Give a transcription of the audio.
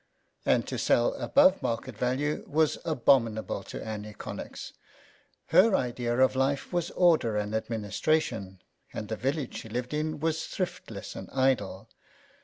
And to sell above market value was abominable to Annie Connex. Her idea of life was order and administration, and the village she lived in was thrift less and idle.